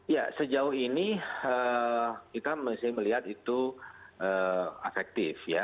ya sejauh ini kita masih melihat itu efektif ya